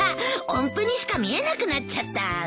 音符にしか見えなくなっちゃった。